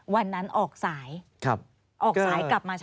วันนั้นออกสายออกสายกลับมา